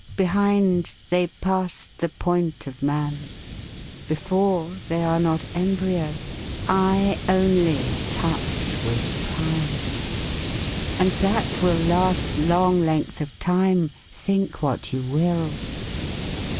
Behind they passed the point of man, before they are not embryo I, only, touch with prime. And that will last long length of time, think what you will!